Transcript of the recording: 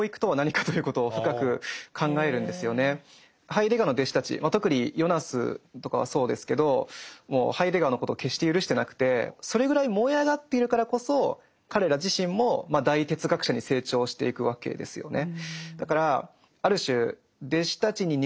ハイデガーの弟子たち特にヨナスとかはそうですけどもうハイデガーのことを決して許してなくてそれぐらい燃え上がっているからこそ彼ら自身も大哲学者に成長していくわけですよね。